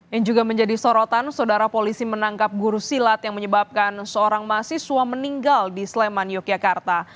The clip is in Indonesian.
yang juga menjadi sorotan saudara polisi menangkap guru silat yang menyebabkan seorang mahasiswa meninggal di sleman yogyakarta